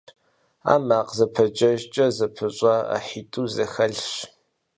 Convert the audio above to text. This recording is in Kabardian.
Ар макъ зэпэджэжкӀэ зэпыщӀа ӀыхьитӀу зэхэлъщ.